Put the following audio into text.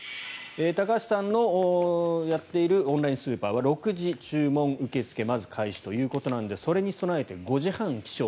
高橋さんのやっているオンラインスーパーは６時、注文受け付けが開始なのでそれに備えて５時半起床。